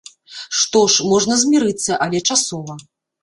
Што ж, можна змірыцца, але часова.